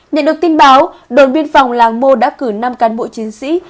nhận được tin báo đồn biên phòng làng mô đã cử năm cán bộ chiến sĩ